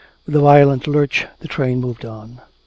With a violent lurch the train moved on.